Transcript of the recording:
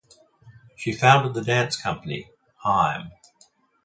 She founded the dance company Hime.